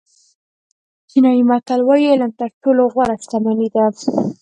چینایي متل وایي علم تر ټولو غوره شتمني ده.